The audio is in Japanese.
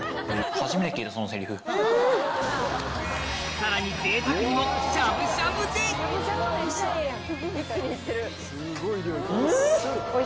さらにぜいたくにもしゃぶしゃぶで！